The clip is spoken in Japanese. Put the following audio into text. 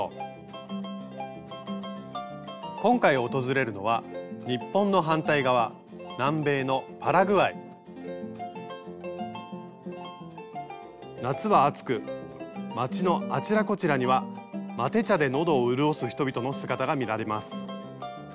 今回訪れるのは日本の反対側南米の夏は暑く街のあちらこちらにはマテ茶で喉を潤す人々の姿が見られます。